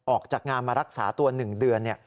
ออกจากงานมารักษาตัว๑เดือน